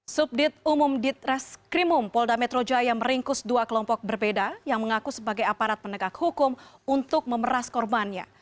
subdit umum ditres krimum polda metro jaya meringkus dua kelompok berbeda yang mengaku sebagai aparat penegak hukum untuk memeras korbannya